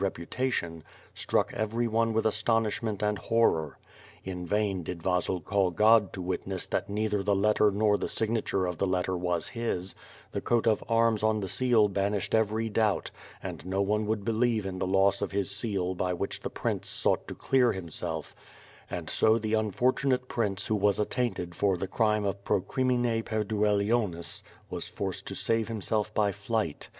51 reputation struck every one with astonishment and horror. In vain did Vasil call God to witness that neither the letter nor the signature of the letter was his, — the coat of arms on the seal banished every doubt, and no one would believe in the loss of his seal by which the prince sought to clear him self, and so the unfortunate prince who was attainted for the crime of pro crimine perduelionis was forced to save himself by flight.